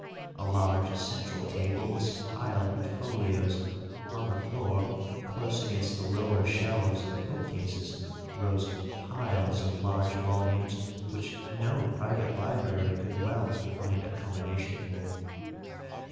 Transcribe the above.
A large central table was piled with folios ; on the floor, close against the lower shelves of the book cases rose piles of large volumes which no private library could well find accommodation for.